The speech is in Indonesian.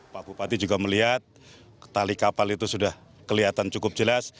pak bupati juga melihat tali kapal itu sudah kelihatan cukup jelas